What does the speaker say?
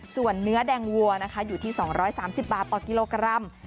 ส่วนเนื้อแดงวัวนะคะอยู่ที่๒๓๐บาทต่อกิโลกรัม